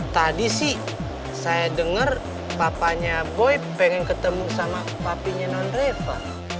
tadi sih saya dengar papanya boy pengen ketemu sama papanya non reva